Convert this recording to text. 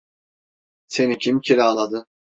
Seni kim kiraladı?